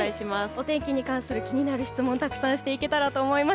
お天気に関する気になる質問をたくさんしていけたらと思います。